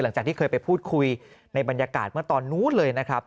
หลังจากที่เคยไปพูดคุยในบรรยากาศเมื่อตอนนู้นเลยนะครับ